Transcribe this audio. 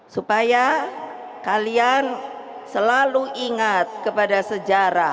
supaya kalian selalu ingat kepada sejarah